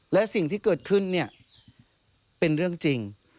และสิ่งที่เกิดขึ้นเนี่ยเป็นเรื่องจริง